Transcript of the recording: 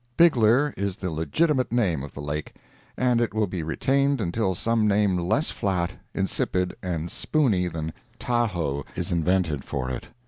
Bigler is the legitimate name of the Lake, and it will be retained until some name less flat, insipid and spooney than "Tahoe" is invented for it.